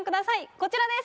こちらです。